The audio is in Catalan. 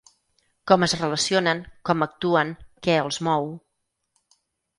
Com es relacionen, com actuen, què els mou.